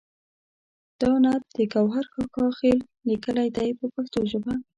دا نعت د ګوهر کاکا خیل لیکلی دی په پښتو ژبه.